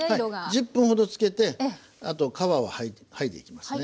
１０分ほどつけてあと皮を剥いでいきますね。